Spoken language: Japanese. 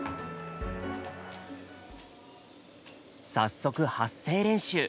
早速発声練習。